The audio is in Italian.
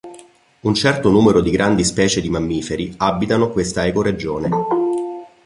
Un certo numero di grandi specie di mammiferi abitano questa ecoregione.